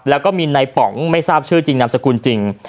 แล้วก็มีในป๋องไม่ทราบชื่อจริงนามสกุลจริง